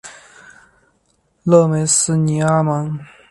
勒梅斯尼阿芒。